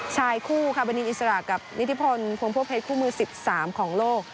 ชายคู่ค่ะบดีอิสระกับนิทพลพวงพวกเพชรคู่มือ๑๓ของโลก